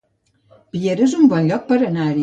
Piera es un bon lloc per anar-hi